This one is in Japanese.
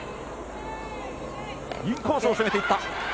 インコースを攻めていった。